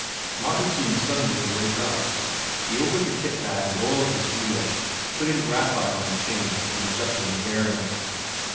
Martin seemed suddenly to wake up. He opened the kit bag and oiled his wheel, putting graphite on the chain and adjusting the bearings.